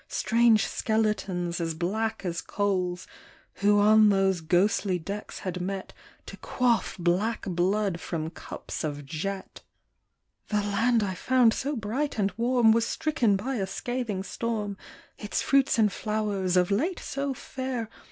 Strange skeletons, as black as coals, Who on those ghostly decks had met To quaff black blood from cups of jet. The land I found so bright and warm Was stricken by a scathing storm ; Its fruits and flowers, of late so fair.